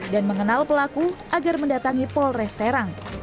dan mengenal pelaku agar mendatangi polres serang